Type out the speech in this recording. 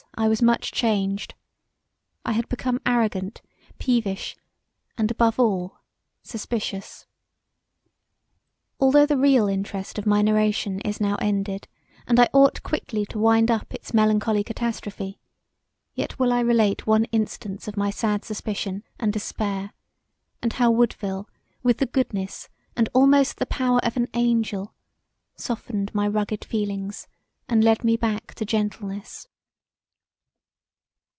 I was much changed. I had become arrogant, peevish, and above all suspicious. Although the real interest of my narration is now ended and I ought quickly to wind up its melancholy catastrophe, yet I will relate one instance of my sad suspicion and despair and how Woodville with the goodness and almost the power of an angel, softened my rugged feelings and led me back to gentleness.